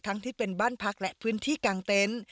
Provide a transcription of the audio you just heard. ที่เป็นบ้านพักและพื้นที่กลางเต็นต์